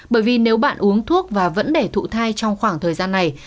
bởi vì nếu bạn uống thuốc và vẫn để thụ thai trong khoảng thời gian này